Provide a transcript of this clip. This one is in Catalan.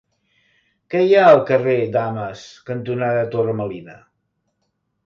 Què hi ha al carrer Dames cantonada Torre Melina?